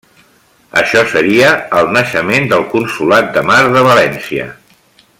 Això seria el naixement del Consolat de Mar de València.